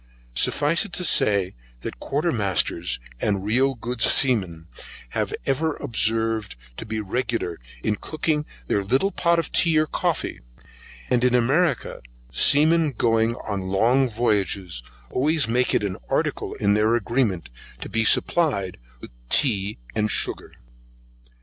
Suffice it to say, that Quarter masters, and real good seamen have ever been observed to be regular in cooking their little pot of tea or coffee, and in America seamen going long voyages, always make it an article in their agreement to be supplied with tea and sugar.